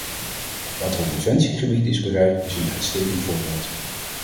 Wat er op defensiegebied is bereikt, is een uitstekend voorbeeld.